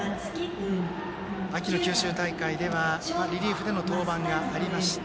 秋の九州大会ではリリーフでの登板がありました。